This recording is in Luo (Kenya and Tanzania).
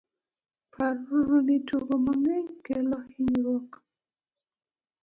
par uru ni tugo mang'eny kelo hinyruok